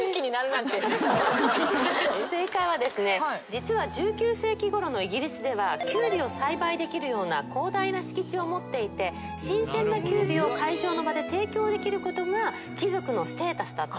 実は１９世紀ごろのイギリスではキュウリを栽培できるような広大な敷地を持っていて新鮮なキュウリを提供できることが貴族のステータスだったと。